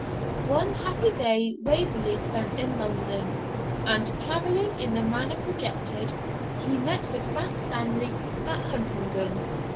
One happy day Waverley spent in London; and, travelling in the manner projected, he met with Frank Stanley at Huntingdon.